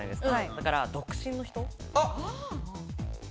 だから独身の人。